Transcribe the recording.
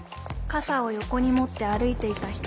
傘を横に持って歩いていた人。